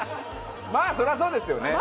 まあそりゃそうですよね。